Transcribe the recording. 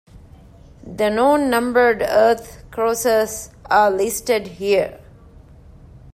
The known numbered Earth-crossers are listed here.